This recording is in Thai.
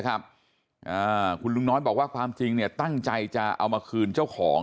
คุณลุงน้อยบอกว่าความจริงเนี่ยตั้งใจจะเอามาคืนเจ้าของ